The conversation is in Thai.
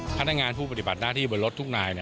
พนักงานผู้ปฏิบัติหน้าที่บนรถทุกนาย